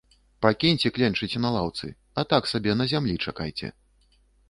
Пакіньце кленчыць на лаўцы, а так сабе на зямлі чакайце.